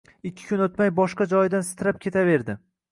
ikki kun o‘tmay, boshqa joyidan sitrab ketaverdi.